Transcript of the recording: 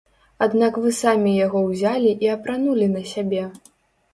Аднак вы самі яго ўзялі і апранулі на сябе!